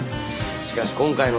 しかし今回の事件